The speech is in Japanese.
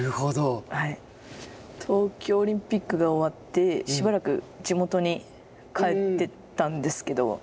東京オリンピックが終わって、しばらく、地元に帰ってたんですけど。